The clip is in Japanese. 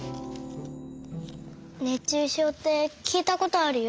熱中症ってきいたことあるよ。